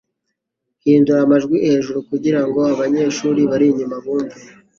Hindura amajwi hejuru kugirango abanyeshuri bari inyuma bumve